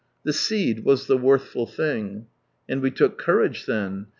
The seed was the worthful thing. And we took courage then.